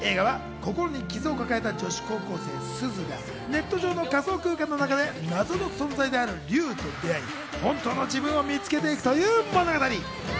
映画は心に傷を抱えた女子高校生のすずがネット上の仮想空間の中で謎の存在である竜と出会い、本当の自分を見つけていくという物語。